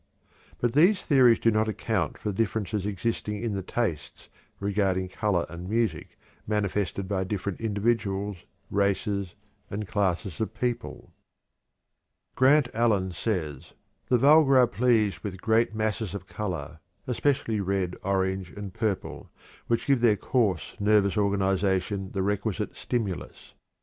But these theories do not account for the differences existing in the tastes regarding color and music manifested by different individuals, races, and classes of people. Grant Allen says: "The vulgar are pleased with great masses of color, especially red, orange, and purple, which give their coarse, nervous organization the requisite stimulus.